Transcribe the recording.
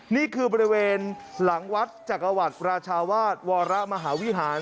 นี่คือบริเวณหลังวัดจักรวรรดิราชาวาสวรมหาวิหาร